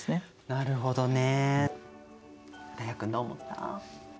なるほどね。